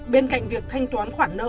bên cạnh việc thanh toán khoản nợ